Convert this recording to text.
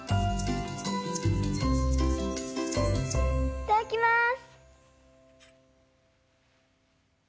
いただきます！